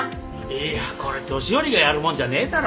いやこれ年寄りがやるもんじゃねえだろ。